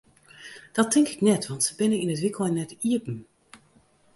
Dat tink ik net, want se binne yn it wykein net iepen.